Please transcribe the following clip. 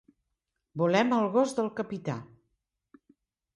Volem el gos del capità.